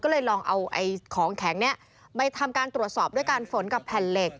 ก็เลยลองเอาของแข็งนี้ไปทำการตรวจสอบด้วยการฝนกับแผ่นเหล็ก